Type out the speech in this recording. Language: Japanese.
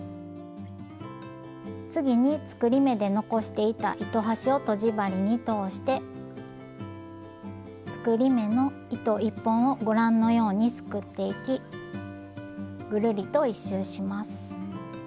次に作り目で残していた糸端をとじ針に通して作り目の糸１本をご覧のようにすくっていきぐるりと１周します。